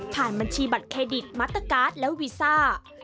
บัญชีบัตรเครดิตมัตเตอร์การ์ดและวีซ่า